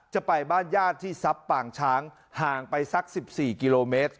จะไปบ้านญาติที่ทรัพย์ปางช้างห่างไปสัก๑๔กิโลเมตร